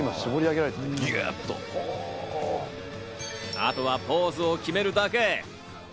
あとはポーズを決めるだけ。